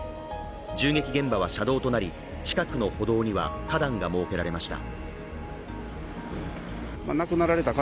銃撃現場は車道となり、近くの歩道には花壇が設けられました。